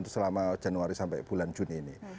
itu selama januari sampai bulan juni ini